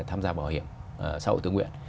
tham gia bảo hiểm sau hội tướng nguyện